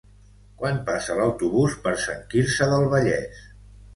Quan passa l'autobús per Sant Quirze del Vallès?